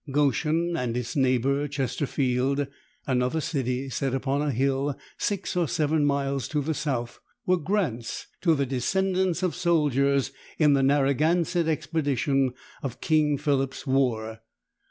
Goshen and its neighbor Chesterfield, another city set upon a hill six or seven miles to the south, were grants to the descendants of soldiers in the Narragansett expedition of King Philip's war.